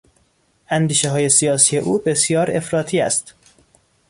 اندیشههای سیاسی او بسیار افراطی است.